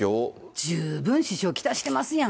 十分支障来してますやん。